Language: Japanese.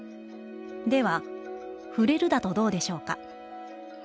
では、『ふれる』だとどうでしょうか」。